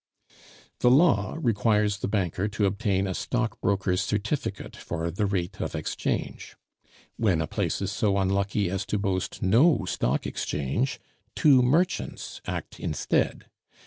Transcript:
The law requires the banker to obtain a stock broker's certificate for the rate of exchange. When a place is so unlucky as to boast no stock exchange, two merchants act instead.